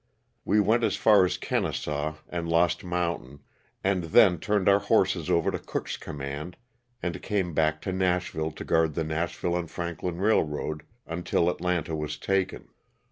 We went as far as Kenesaw and Lost Moun tain and then turned our horses over to Cook's com mand and came back to Nashville to guard the Nash ville & Franklin Railroad until Atlanta was taken.